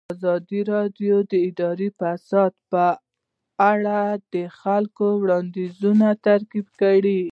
ازادي راډیو د اداري فساد په اړه د خلکو وړاندیزونه ترتیب کړي.